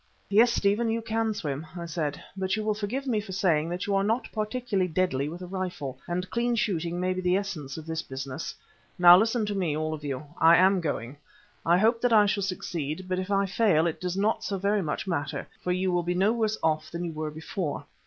"Yes, Stephen, you can swim," I said, "but you will forgive me for saying that you are not particularly deadly with a rifle, and clean shooting may be the essence of this business. Now listen to me, all of you. I am going. I hope that I shall succeed, but if I fail it does not so very much matter, for you will be no worse off than you were before.